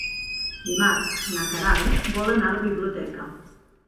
Dimarts na Queralt vol anar a la biblioteca.